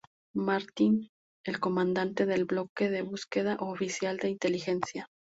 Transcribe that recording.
Martín, el comandante del Bloque de Búsqueda; oficial de inteligencia.